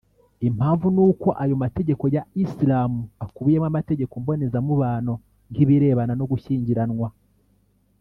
Impamvu ni uko ayo mategeko ya Islam akubiyemo amategeko mbonezamubano nk’ibirebana no gushyingiranwa